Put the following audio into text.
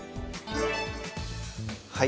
はい。